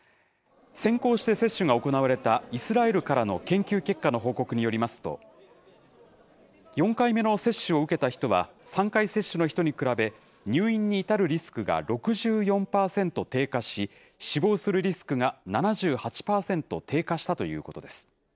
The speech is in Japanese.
先行して接種が行われたイスラエルからの研究結果の報告によりますと、４回目の接種を受けた人は、３回接種の人に比べ、入院に至るリスクが６４％低下し、死亡するリスクが７８％低下したということです。